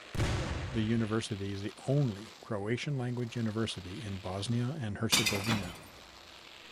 The University is the only Croatian language university in Bosnia and Herzegovina.